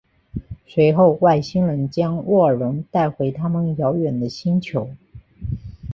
随后外星人将沃尔隆带回他们遥远的星球。